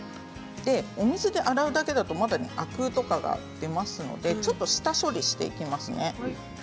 お水で洗うだけだとまだアクとかが出ますのでちょっと下処理していきますね。